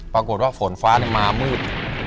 ปรากฏว่าฝนฟ้ามามืด